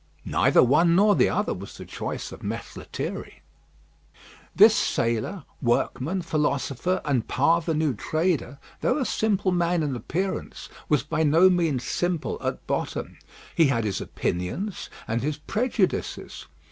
"Neither one nor the other" was the choice of Mess Lethierry. This sailor, workman, philosopher, and parvenu trader, though a simple man in appearance, was by no means simple at bottom. He had his opinions and his prejudices.